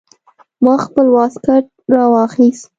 ما خپل واسکټ راوايست.